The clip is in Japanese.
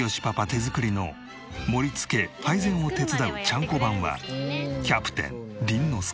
手作りの盛り付け配膳を手伝うちゃんこ番はキャプテン倫之亮。